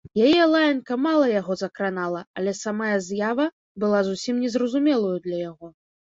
Яе лаянка мала яго закранала, але самая з'ява была зусім незразумелаю для яго.